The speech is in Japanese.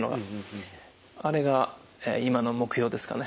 あれが今の目標ですかね。